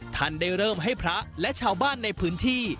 ท่านได้เริ่มให้พระและชาวบ้านในพื้นที่